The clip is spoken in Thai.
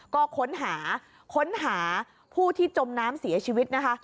ก็ค้นหาผู้ที่จมน้ำเสียชีวิต